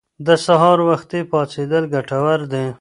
د سهار وختي پاڅیدل ګټور دي.